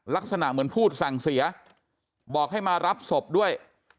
ลักษณะเหมือนพูดสั่งเสียบอกให้มารับศพด้วย